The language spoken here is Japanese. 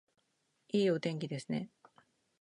いいお天気ですね